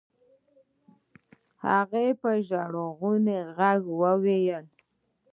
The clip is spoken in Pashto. هغې په ژړغوني غږ وويل.